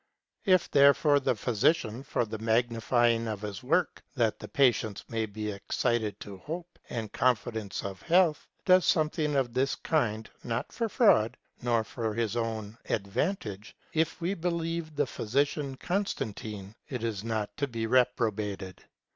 If therefore, the physician, for the magnifying of his work, that the patient may be excited to hope and confidence of health, does something of this kind, not for fraud nor for his own advantage (if we believe the physician Constantine), it is not to be reprobated.